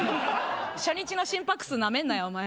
初日の心拍数なめるなよ。